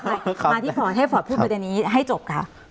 มาที่ขอให้ฝอดพูดในในนี้ให้จบครับ